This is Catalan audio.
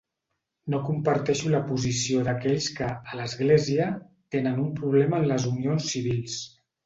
No comparteixo la posició d'aquells que, a l'Església, tenen un problema amb les unions civils.